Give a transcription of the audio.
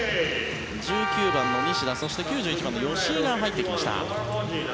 １９番の西田そして９１番の吉井が入ってきました。